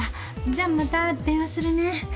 じゃあまた電話するね。